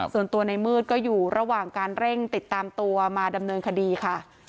ส่วนตัวในมืดก็อยู่ระหว่างการเร่งติดตามตัวมาดำเนินคดีค่ะ